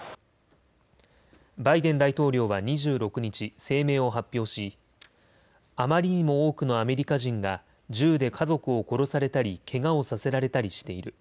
バイデン大統領は２６日声明を発表しあまりにも多くのアメリカ人が銃で家族を殺されたりけがをさせられたりしている。